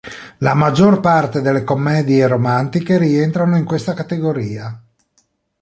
La maggior parte delle commedia romantiche rientrano in questa categoria.